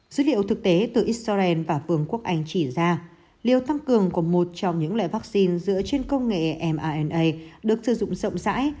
dữ liệu thực tế từ israel và vương quốc anh chỉ ra liều tăng cường của một trong những loại vaccine dựa trên công nghệ mna được sử dụng rộng rãi